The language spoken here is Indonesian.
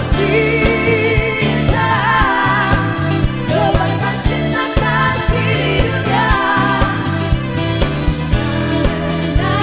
cinta doakan cinta kasih dunia